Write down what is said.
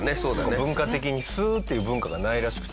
文化的にすするっていう文化がないらしくて。